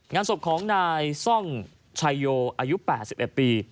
งานศพของนายซ่องชายโยอายุ๘๑ปี